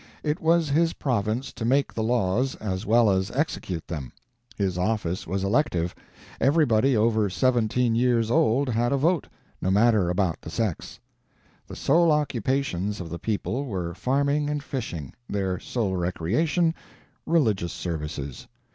It was his province to make the laws, as well as execute them. His office was elective; everybody over seventeen years old had a vote no matter about the sex. The sole occupations of the people were farming and fishing; their sole recreation, religious services.